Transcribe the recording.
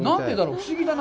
不思議だな。